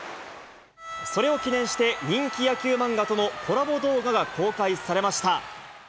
それを記念して、人気野球漫画とのコラボ動画が公開されました。